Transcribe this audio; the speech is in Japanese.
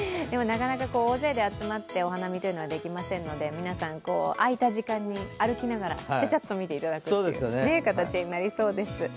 でも大勢で集まってお花見というのはできませんので皆さん、空いた時間に歩きながらちゃちゃっと見ていただく形になりそうです。